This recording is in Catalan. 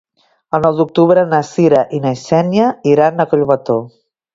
El nou d'octubre na Cira i na Xènia iran a Collbató.